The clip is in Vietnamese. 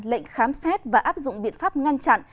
lệnh khám xét và áp dụng biện pháp ngăn chặn